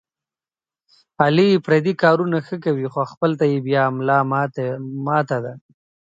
علي پردي کارونه ښه کوي، خو خپل ته یې بیا ملا ماته ده.